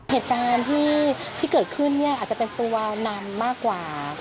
เหตุการณ์ที่เกิดขึ้นเนี่ยอาจจะเป็นตัวนำมากกว่า